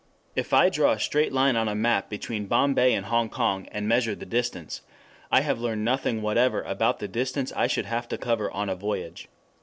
If I draw a straight line on a map between Bombay and Hong Kong and measure the distance, I have learned nothing whatever about the distance I should have to cover on a voyage.